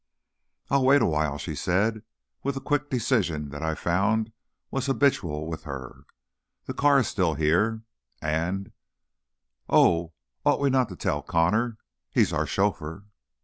"I'll wait a while," she said, with the quick decision that I found was habitual with her, "the car is still here, oh, ought we not to tell Connor? He's our chauffeur."